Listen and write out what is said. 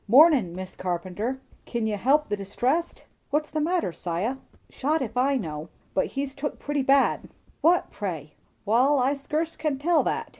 "Mornin', Mis' Carpenter. Kin you help the distressed?" "What's the matter, 'Siah?" "Shot if I know; but he's took pretty bad." "Who, pray?" "Wall, I skurce can tell that.